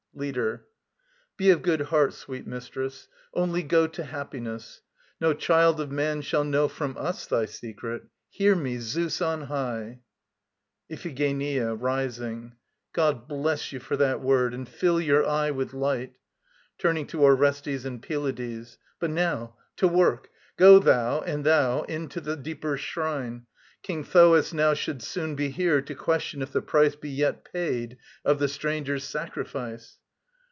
LEADER. Be of good heart, sweet mistress. Only go To happiness. No child of man shall know From us thy secret. Hear me, Zeus on high! IPHIGENIA (rising). God bless you for that word, and fill your eye With light! [turning to ORESTES and PYLADES.] But now, to work! Go thou, and thou, In to the deeper shrine. King Thoas now Should soon be here to question if the price Be yet paid of the strangers' sacrifice.